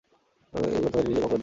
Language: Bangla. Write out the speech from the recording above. আমি গ্রন্থখানি নিজে কখনও দেখি নাই।